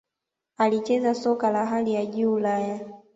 alicheza soka la hali ya Juu Ulaya